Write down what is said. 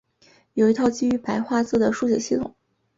有一套基于白话字的书写系统。